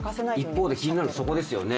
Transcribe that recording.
一方で気になるそこですよね。